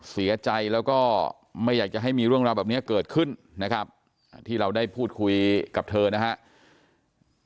เสียใจแล้วก็ไม่อยากจะให้มีเรื่องราวแบบนี้เกิดขึ้นนะครับที่เราได้พูดคุยกับเธอนะครับ